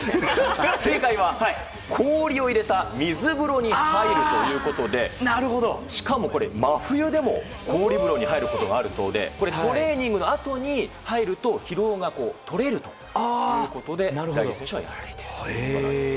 正解は氷を入れた水風呂に入るということでしかも、真冬でも氷風呂に入ることがあるようでこれ、トレーニングのあとに入ると疲労がとれるということでライリー選手はやられているそうです。